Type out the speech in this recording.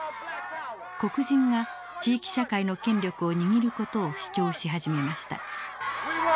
黒人が地域社会の権力を握る事を主張し始めました。